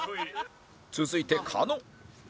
続いて狩野